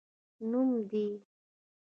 نوم دي؟